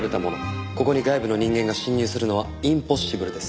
ここに外部の人間が侵入するのはインポッシブルです。